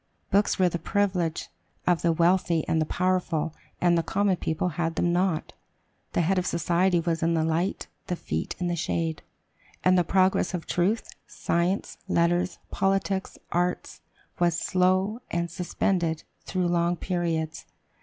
Books were the privilege of the wealthy and the powerful; and the common people had them not. "The head of society was in the light, the feet in the shade," and "the progress of truth, science, letters, politics, arts, was slow, and suspended through long periods."